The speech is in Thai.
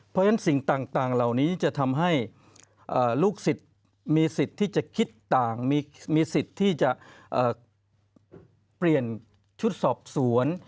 พี่จะคิดต่างมีสิทธิ์ที่จะเปลี่ยนชุดสอบสวน